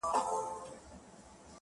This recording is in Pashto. اوازې په کلي کي ډېر ژر خپرېږي،